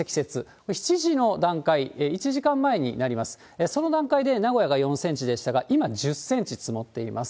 これ、７時の段階、１時間前になります、その段階で名古屋が４センチでしたが、今１０センチ積もっています。